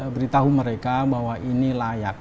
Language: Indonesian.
beritahu mereka bahwa ini layak